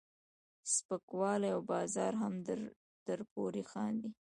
سپکوالی او بازار هم درپورې خاندي.